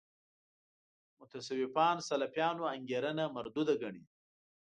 متصوفان سلفیانو انګېرنه مردوده ګڼي.